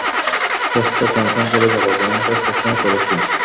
শেষতক অনুসরণ করে যাব, যেমনটা সবসময় করেছি।